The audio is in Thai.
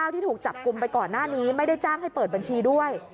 ที่ถูกจับกลุ่มไปก่อนหน้านี้ไม่ได้จ้างให้เปิดบัญชีด้วย